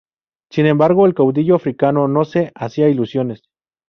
Sin embargo, el caudillo africano no se hacía ilusiones.